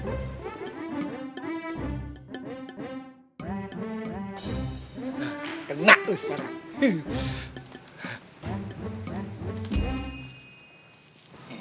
kena lu sekarang